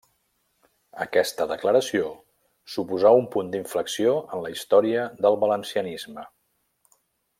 Aquesta Declaració suposà un punt d'inflexió en la història del valencianisme.